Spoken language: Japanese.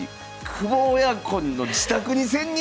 久保親子の自宅に潜入